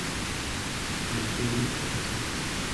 Móstoles-El Soto.